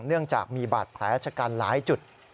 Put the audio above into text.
เนื่องจากมีบาดแผลชะกันหลายจุด